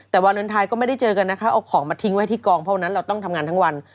แต่วาเลนไทยก็ไม่ได้เจอกันนะคะเอาของมาทิ้งไว้ที่กองเพราะฉะนั้นเราต้องทำงานทั้งวัน